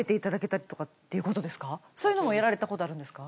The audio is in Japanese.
そういうのもやられたことあるんですか？